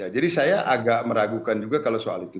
jadi saya agak meragukan juga kalau soal itu